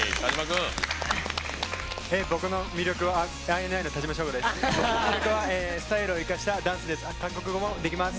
僕の魅力はＩＮＩの田島将吾です。